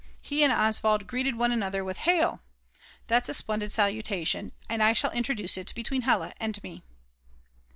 He and Oswald greeted one another with Hail! That's a splendid salutation, and I shall introduce it between Hella and me.